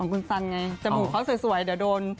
คุณสันไงจมูกเขาสวยเดี๋ยวโดน